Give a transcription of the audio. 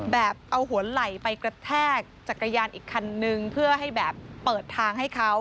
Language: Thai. แบบเอาหัวไหล่ไปกระแทกจักรยานอีกคันนึงเพื่อให้แบบเปิดทางให้เขา